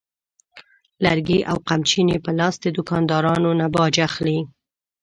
لرګي او قمچینې په لاس د دوکاندارانو نه باج اخلي.